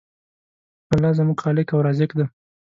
الله زموږ خالق او رازق دی.